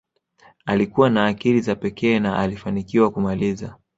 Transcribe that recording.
alikuwa na akili za pekee na alifanikiwa kumaliza